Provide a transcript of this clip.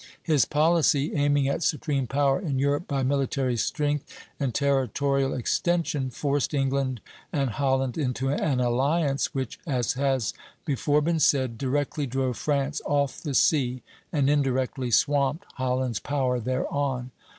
His policy, aiming at supreme power in Europe by military strength and territorial extension, forced England and Holland into an alliance, which, as has before been said, directly drove France off the sea, and indirectly swamped Holland's power thereon.